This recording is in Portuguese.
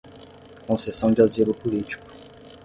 concessão de asilo político